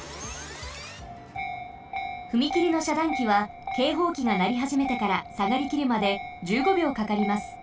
ふみきりのしゃだんきはけいほうきがなりはじめてからさがりきるまで１５秒かかります。